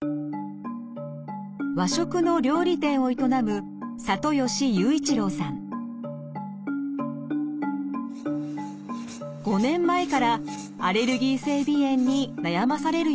和食の料理店を営む５年前からアレルギー性鼻炎に悩まされるようになりました。